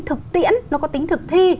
thực tiễn nó có tính thực thi